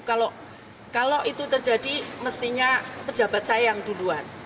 kalau itu terjadi mestinya pejabat saya yang duluan